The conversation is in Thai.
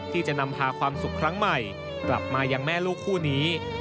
ที่จะนำพาความสุขครั้งใหม่กลับมายังแม่ลูกคู่นี้